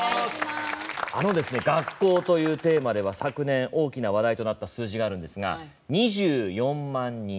学校というテーマでは昨年、大きな話題となった数字があるんですが、２４万人。